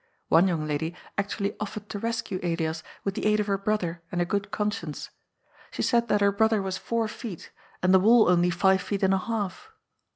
One young lady actually offered to rescue Elias with the aid of her brother and a good con^ience. She said that her brother was four f eet, and the wall only five feet and a half.